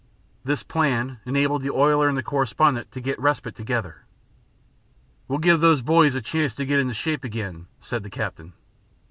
This plan enabled the oiler and the correspondent to get respite together. "We'll give those boys a chance to get into shape again," said the captain.